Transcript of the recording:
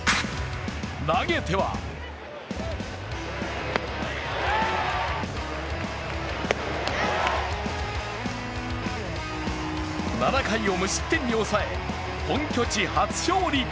投げては７回を無失点に抑え、本拠地初勝利。